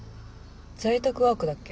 在宅ワークだっけ？